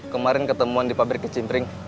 kemarin ketemuan di pabrik kecimpring